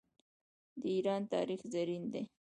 د ایران تاریخ زرین دی.